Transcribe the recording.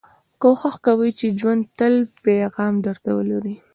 کوښښ کوئ، چي ژوند تل پیغام در ته ولري.